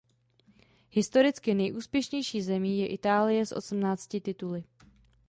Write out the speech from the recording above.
Historicky nejúspěšnější zemí je Itálie s osmnácti tituly.